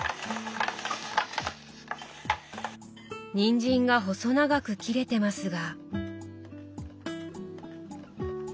にんじんが細長く切れてますが。